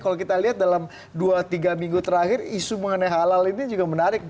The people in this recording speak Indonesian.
kalau kita lihat dalam dua tiga minggu terakhir isu mengenai halal ini juga menarik